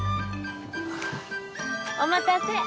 お待たせ。